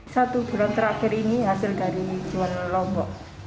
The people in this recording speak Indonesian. satu bulan terakhir ini hasil dari jualan lombok